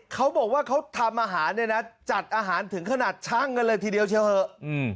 เขาบอกว่าเขาทำอาหารเนี่ยนะจัดอาหารถึงขนาดช่างกันเลยทีเดียวเชียวเถอะ